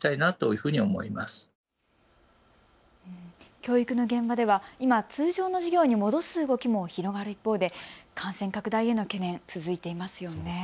教育の現場では今、通常の授業に戻す動きも広がる一方で感染拡大への懸念、続いています。